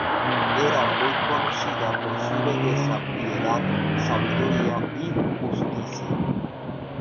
Era muy conocida por su belleza, piedad, sabiduría y justicia.